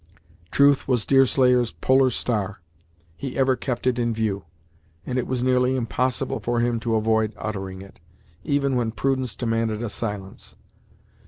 Truth was the Deerslayer's polar star. He ever kept it in view, and it was nearly impossible for him to avoid uttering it, even when prudence demanded silence.